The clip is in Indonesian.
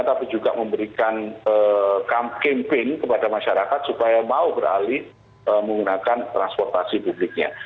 tapi juga memberikan campaign kepada masyarakat supaya mau beralih menggunakan transportasi publiknya